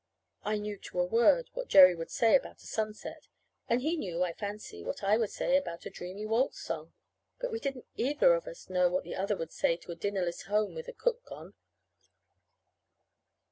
I knew, to a word, what Jerry would say about a sunset; and he knew, I fancy, what I would say about a dreamy waltz song. But we didn't either of us know what the other would say to a dinnerless home with the cook gone.